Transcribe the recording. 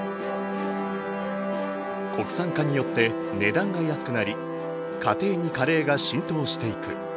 国産化によって値段が安くなり家庭にカレーが浸透していく。